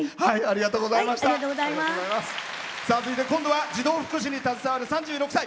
続いて、今度は児童福祉に携わる３６歳。